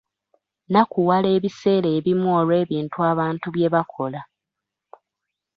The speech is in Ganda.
Nnakuwala ebiseera ebimu olw'ebintu abantu bye bakola.